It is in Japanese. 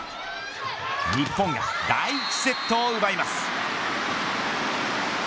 日本が第１セットを奪います。